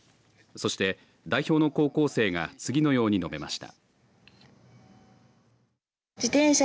そして代表の高校生が次のように述べました。